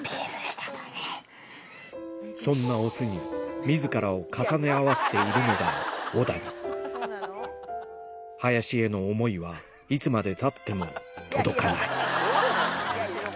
そんなオスに自らを重ね合わせているのが小谷林への思いはいつまでたっても届かないどうなの？